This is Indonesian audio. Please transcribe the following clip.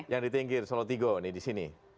yang ditinggir solotigo ini di sini